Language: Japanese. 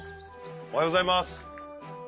おはようございます。